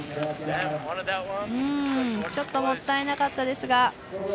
ちょっともったいなかったですが。